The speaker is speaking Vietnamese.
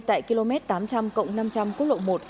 tại km tám trăm linh cộng năm trăm linh quốc lộ một